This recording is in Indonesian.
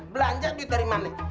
belanja duit dari mana